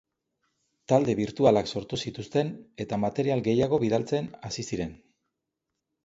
Talde birtualak sortu zituzten eta material gehiago bidaltzen hasi ziren.